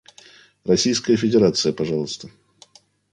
Российская Федерация, пожалуйста.